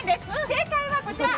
正解はこちら。